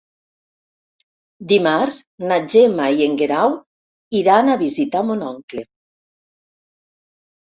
Dimarts na Gemma i en Guerau iran a visitar mon oncle.